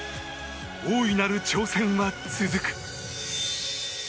大いなる挑戦は続く。